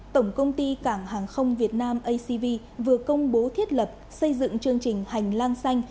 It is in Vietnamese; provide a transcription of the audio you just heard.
tổng công ty cảng hàng không việt nam acv vừa công bố thiết lập xây dựng chương trình hành lang xanh